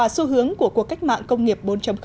xu hướng của cuộc cách mạng công nghiệp bốn